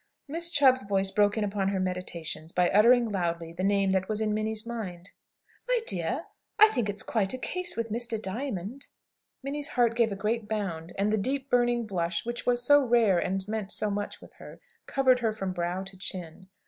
Miss Chubb's voice broke in upon her meditations by uttering loudly the name that was in Minnie's mind. "My dear, I think it's quite a case with Mr. Diamond." Minnie's heart gave a great bound; and the deep, burning blush which was so rare and meant so much with her, covered her face from brow to chin.